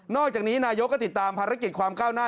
อกจากนี้นายกก็ติดตามภารกิจความก้าวหน้า